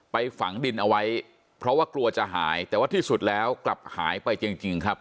ฝังดินเอาไว้เพราะว่ากลัวจะหายแต่ว่าที่สุดแล้วกลับหายไปจริงครับ